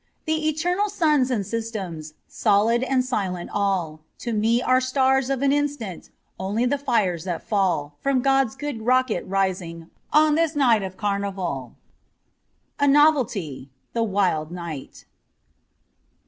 The eternal suns and systems, Solid and silent all. To me are stars of an instant, Only the fires that fall From God's good rocket rising On this night of carnival. 'A Novelty '(' The Wild Knight